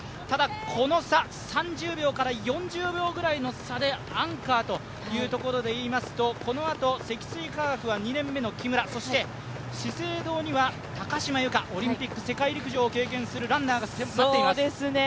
この差、３０秒から４０秒ぐらいの差でアンカーというところでいいますと、このあと積水化学は２年目の木村、資生堂には高島由香、オリンピック世界陸上を経験するランナーが待っています。